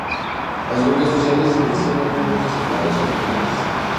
Las huelgas sociales crecían a ritmos acelerados, y frecuentes.